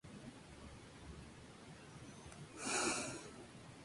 Sus abuelos emigraron a la Argentina provenientes del Imperio ruso.